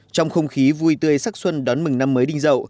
trong không khí vui tươi sắc xuân đón mừng năm mới đinh dậu